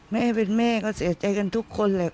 แม่เป็นแม่ก็เสียใจกันทุกคนแหละ